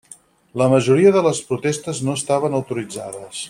La majoria de les protestes no estaven autoritzades.